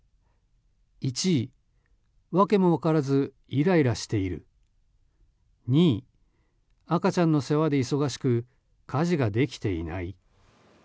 １位、訳もわからずイライラしている２位、赤ちゃんの世話で忙しく家事ができていない。